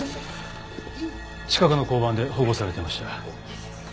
近くの交番で保護されてました。